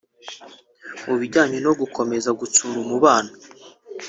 Mu bijyanye no gukomeza gutsura umubano